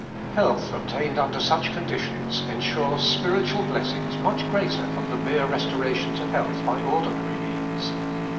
Health obtained under such conditions ensures spiritual blessings aineh greater than the mere restoration to health by or dinary means.